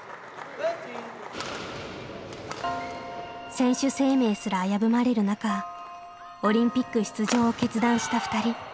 選手生命すら危ぶまれる中オリンピック出場を決断したふたり。